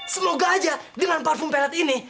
semoga aja dengan parfum pelot ini